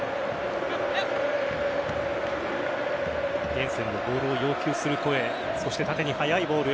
イェンセンがボールを要求する声そして縦に速いボール。